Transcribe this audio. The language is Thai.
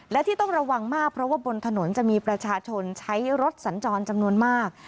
และที่ต้องระวังมากเพราะว่าบนถนนจะมีประชาชนใช้รถสัญจรจำนวนมาก